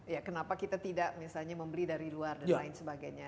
ya kenapa kita tidak misalnya membeli dari luar dan lain sebagainya